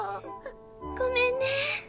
ごめんね。